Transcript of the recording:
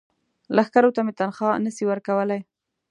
لښکرو ته تنخوا نه شي ورکولای.